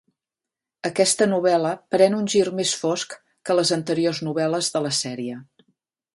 Aquesta novel·la pren un gir més fosc que les anteriors novel·les de la sèrie.